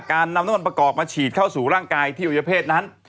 การนำน้ำมันประกอบมาฉีดเข้าสู่ร่างกายที่อวัยเพศนั้น